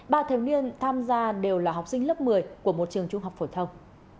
ba thiếu niên tham gia đều là học sinh lớp một mươi của một trường trung học phổ thông